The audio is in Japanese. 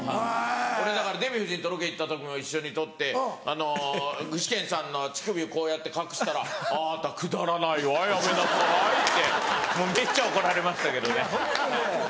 俺だからデヴィ夫人とロケ行った時も一緒に撮ってあの具志堅さんの乳首をこうやって隠したら「あたくだらないわやめなさい」ってもうめっちゃ怒られましたけどね。